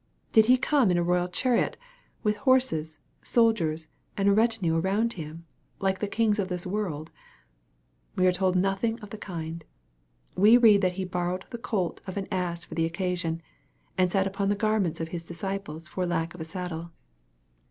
Did He come in a royal chariot, with horses, soldiers, and a retinue around Him, like the kings of this world ? We are told nothing of the kind. We read that He borrowed the colt of an ass for the occasion, and sat upon the garments o^ His disciples for lack of a saddle.